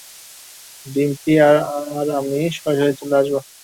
ডিম্পি আর আমি সরাসরি চলে আসবো।